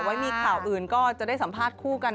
ไว้มีข่าวอื่นก็จะได้สัมภาษณ์คู่กัน